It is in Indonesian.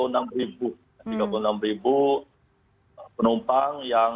nah penumpang yang